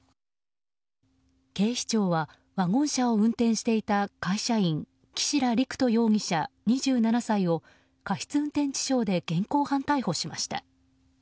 警視庁はワゴン車を運転していた会社員岸良陸斗容疑者、２７歳を過失運転致傷で現行犯逮捕しました。